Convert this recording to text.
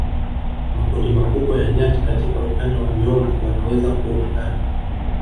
Makundi makubwa ya nyati katika ukanda wa miombo wanaweza kuonekana